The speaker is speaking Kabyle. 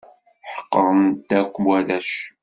Ḥeqren-t akk warrac.